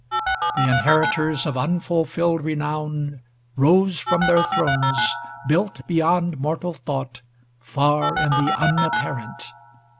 XLV The inheritors of unfulfilled renown Rose from their thrones, built beyond mortal thought. Far in the Unapparent.